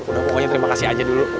udah pokoknya terima kasih aja dulu